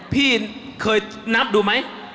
พี่เคยนับดูมั้ย